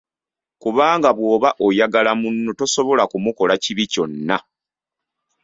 Kubanga bw’oba oyagala munno tosobola kumukola kibi kyonna.